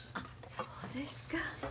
そうですか。